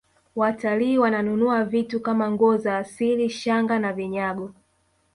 watalii wananunua vitu Kama nguo za asili shanga na vinyago